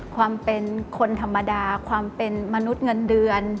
ความเป็นคนธรรมดาความเป็นมนุษย์เงินเดือน